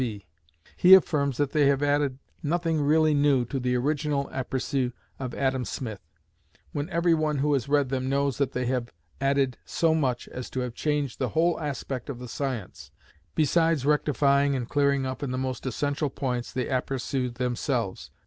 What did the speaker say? He affirms that they have added nothing really new to the original aperçus of Adam Smith; when every one who has read them knows that they have added so much as to have changed the whole aspect of the science, besides rectifying and clearing up in the most essential points the aperçus themselves.